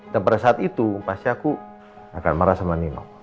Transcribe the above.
dan pada saat itu pasti aku akan marah sama nino